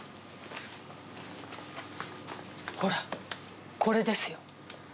ほらこれですよ。